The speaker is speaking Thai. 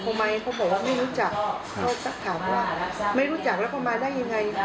เขาถ้าถามว่าไม่รู้จักแล้วเขามาได้ยังไง